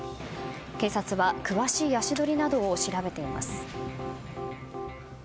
警察は詳しい足取りなどを調べています。